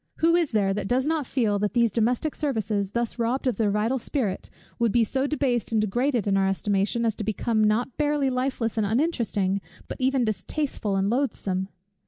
Who is there that does not feel that these domestic services, thus robbed of their vital spirit, would be so debased and degraded in our estimation, as to become not barely lifeless and uninteresting, but even distasteful and loathsome?